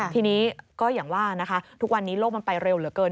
ทีนี้ก็อย่างว่านะคะทุกวันนี้โลกมันไปเร็วเหลือเกิน